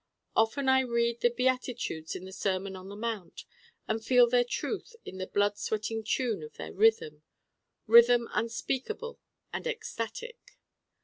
Often I read the Beatitudes in the Sermon on the Mount and feel their truth in the blood sweating tune of their Rhythm Rhythm unspeakable and ecstatic.